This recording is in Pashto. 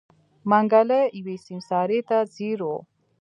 منګلی يوې سيمسارې ته ځير و.